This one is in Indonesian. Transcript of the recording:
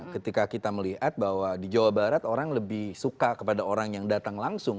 ketika kita melihat bahwa di jawa barat orang lebih suka kepada orang yang datang langsung